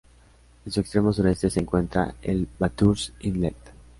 En su extremo sureste se encuentra el Bathurst Inlet.